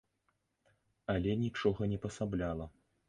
Але нічога не пасабляла.